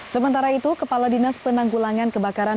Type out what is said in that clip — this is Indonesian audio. sementara itu kepala dinas penanggulangan kebakaran